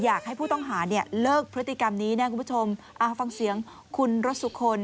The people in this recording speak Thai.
อยากให้ผู้ต้องหาเนี่ยเลิกพฤติกรรมนี้นะคุณผู้ชมฟังเสียงคุณรสสุคน